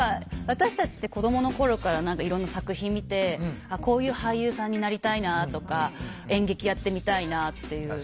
私たちって子どもの頃からいろんな作品見てこういう俳優さんになりたいなとか演劇やってみたいなっていう。